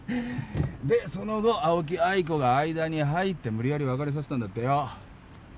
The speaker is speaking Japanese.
でその後青木藍子が間に入って無理やり別れさせたんだってよ。